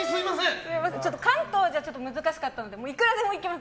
関東じゃ難しかったのでいくらでも行きます。